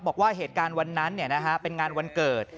บอกว่าเหตุการณ์วันนั้นเป็นงานวันเกิด